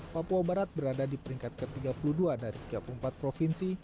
papua barat berada di peringkat ke tiga puluh dua dari tiga puluh empat provinsi